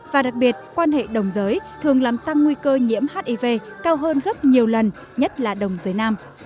và đặc biệt quan hệ đồng giới thường làm tăng nguy cơ nhiễm hiv cao hơn gấp nhiều lần nhất là đồng giới nam